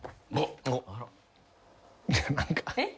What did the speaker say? えっ？